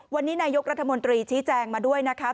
วันนี้นายกรัฐมนตรีชี้แจงมาด้วยนะคะ